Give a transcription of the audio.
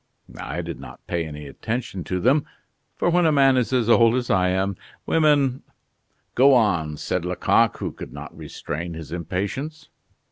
I did not pay any attention to them; for when a man is as old as I am, women " "Go on!" said Lecoq, who could not restrain his impatience.